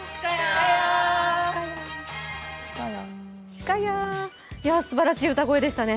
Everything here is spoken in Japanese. しかや、すばらしい歌声でしたね。